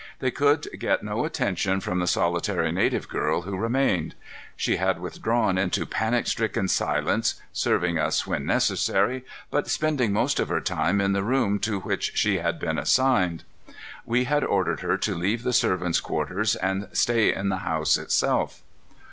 They could get no attention from the solitary native girl who remained. She had withdrawn into panic stricken silence, serving us when necessary, but spending most of her time in the room to which she had been assigned. We had ordered her to leave the servants' quarters and stay in the house itself.